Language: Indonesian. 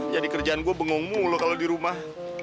jadi kerjaan gue bengong mulu kalau di rumah